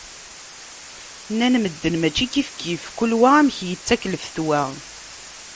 Nnan medden mačči kifkif, kul wa amek yettak lfetwa.